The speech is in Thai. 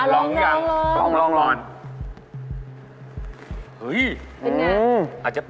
ลองอย่าง